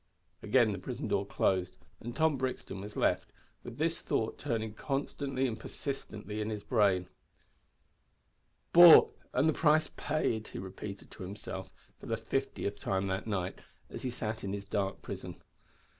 Again the prison door closed, and Tom Brixton was left, with this thought turning constantly and persistently in his brain: "Bought and the price paid!" he repeated to himself; for the fiftieth time that night, as he sat in his dark prison.